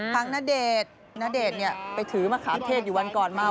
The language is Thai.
ณเดชน์ณเดชน์เนี่ยไปถือมะขามเทศอยู่วันก่อนมา